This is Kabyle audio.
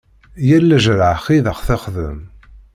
Yir leǧreḥ i d aɣ-texdem.